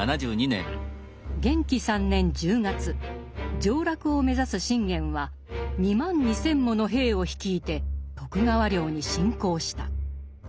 元亀３年１０月上洛を目指す信玄は２万２，０００もの兵を率いて徳川領に侵攻した。